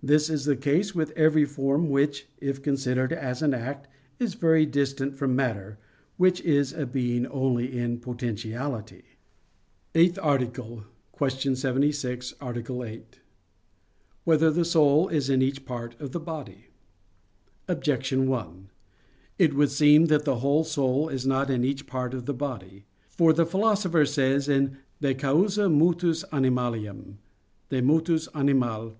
This is the case with every form which, if considered as an act, is very distant from matter, which is a being only in potentiality. _______________________ EIGHTH ARTICLE [I, Q. 76, Art. 8] Whether the Soul Is in Each Part of the Body? Objection 1: It would seem that the whole soul is not in each part of the body; for the Philosopher says in De causa motus animalium (De mot. animal.